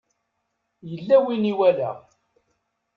Yella win i walaɣ.